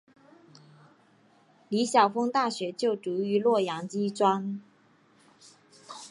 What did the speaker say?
李晓峰大学就读于洛阳医专。